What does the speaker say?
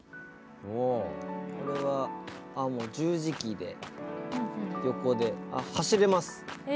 これはもう十字キーで横で走れます。